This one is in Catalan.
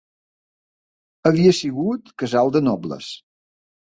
Havia sigut casal de nobles